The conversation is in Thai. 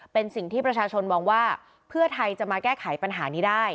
เป็นสิ่งที่ประชาชนมองว่าเพื่อไทยจะมาแก้ไขปัญหานี้ได้